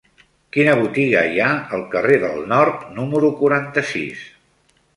Quina botiga hi ha al carrer del Nord número quaranta-sis?